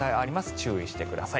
注意してください。